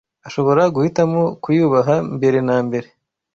ashobora guhitamo kuyubaha mbere na mbre